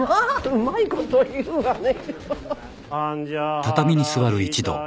うまいこと言うわね。